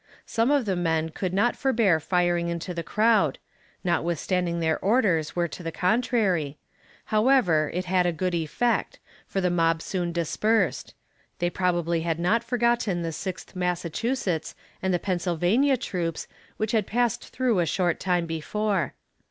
Some of the men could not forbear firing into the crowd notwithstanding their orders were to the contrary however, it had a good effect, for the mob soon dispersed; they probably had not forgotten the Sixth Massachusetts and the Pennsylvania troops which had passed through a short time before.